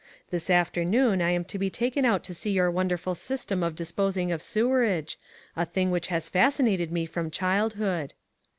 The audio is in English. This afternoon I am to be taken out to see your wonderful system of disposing of sewerage, a thing which has fascinated me from childhood."